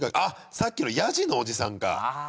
さっきのヤジのおじさんか。